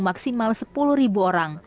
pengunjung maksimal sepuluh orang